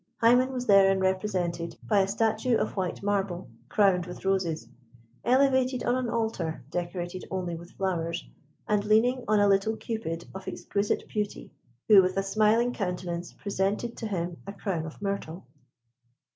Hymen was therein represented by a statue of white marble, crowned with roses, elevated on an altar, decorated only with flowers, and leaning on a little Cupid of exquisite beauty, who, with a smiling countenance, presented to him a crown of myrtle.